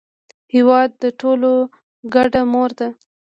هېواد د ټولو ګډه مور ده.